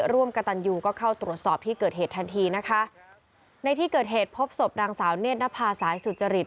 ร่วมกับตันยูก็เข้าตรวจสอบที่เกิดเหตุทันทีนะคะในที่เกิดเหตุพบศพนางสาวเนธนภาษาสุจริต